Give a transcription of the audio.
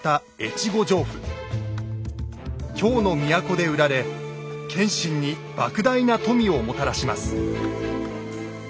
京の都で売られ謙信に莫大な富をもたらします。